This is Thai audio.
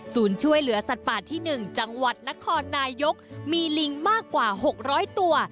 ช่วยเหลือสัตว์ป่าที่๑จังหวัดนครนายกมีลิงมากกว่า๖๐๐ตัว